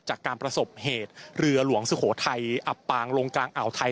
จากการประสบเหตุเรือหลวงสุโขทัยอับปางลงกลางอ่าวไทย